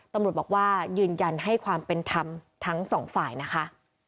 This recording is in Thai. ตำรวจบอกว่ายืนยันให้ความเป็นธรรมทั้งสองฝ่ายนะคะ